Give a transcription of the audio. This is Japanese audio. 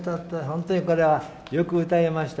ほんとにこれはよく歌いました。